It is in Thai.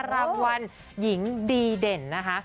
รางวัลหญิงดีเด่นนะคะ